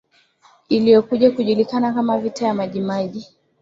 iliyokuja kujulikana kama Vita ya Majimaji